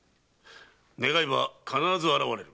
願えば必ず現れる。